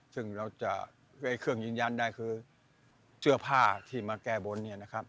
เครื่องยืนยันได้คือเสื้อผ้าที่มาแก้บน